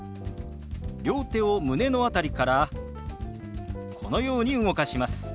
両手を胸の辺りからこのように動かします。